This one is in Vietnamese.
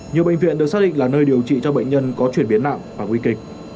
nhiều bệnh viện được xác định là nơi điều trị cho bệnh nhân có chuyển biến nặng và nguy kịch